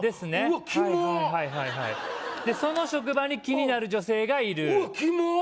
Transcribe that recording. はいはいはいはいでその職場に気になる女性がいるうわっキモッ！